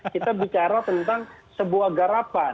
kita bicara tentang sebuah garapan